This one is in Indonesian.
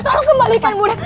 tolong kembalikan muda